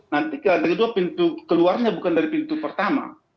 nanti kedua pintu keluarnya bukan dari pintu pertama